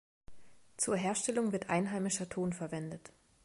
Zur Herstellung wird einheimischer Ton verwendet.